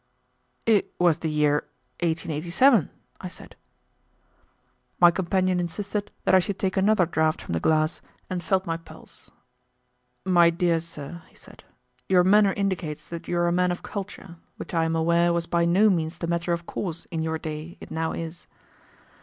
"It was the year 1887," I said. My companion insisted that I should take another draught from the glass, and felt my pulse. "My dear sir," he said, "your manner indicates that you are a man of culture, which I am aware was by no means the matter of course in your day it now is.